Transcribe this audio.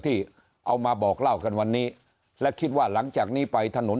ที่เอามาบอกเล่ากันวันนี้และคิดว่าหลังจากนี้ไปถนน